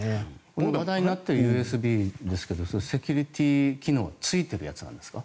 問題になっているＵＳＢですがセキュリティー機能がついているものなんですか？